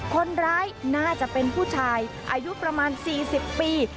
คนร้ายน่าจะเป็นผู้ชายอายุประมาณ๔๐ปี